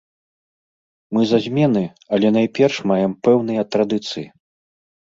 Мы за змены, але найперш маем пэўныя традыцыі.